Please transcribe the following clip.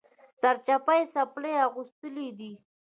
سرچپه یې څپلۍ اغوستلي دي